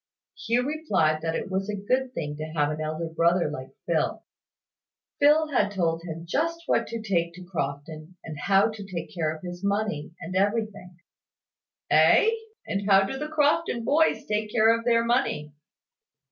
Hugh replied that it was a good thing to have an elder brother like Phil. Phil had told him just what to take to Crofton, and how to take care of his money, and everything. "Ay! And how do the Crofton boys take care of their money?"